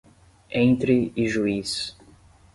Entre Ijuís